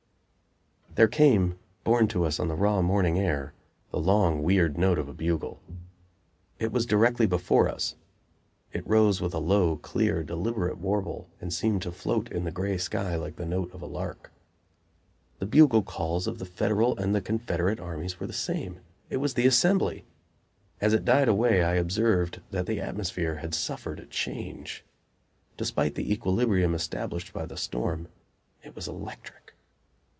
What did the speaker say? There came, borne to us on the raw morning air, the long, weird note of a bugle. It was directly before us. It rose with a low, clear, deliberate warble, and seemed to float in the gray sky like the note of a lark. The bugle calls of the Federal and the Confederate armies were the same: it was the "assembly"! As it died away I observed that the atmosphere had suffered a change; despite the equilibrium established by the storm, it was electric.